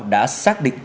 đã xác định được